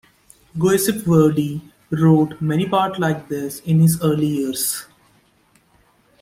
Giuseppe Verdi wrote many parts like this in his early years.